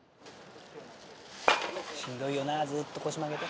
しんどいよなずっと腰曲げて。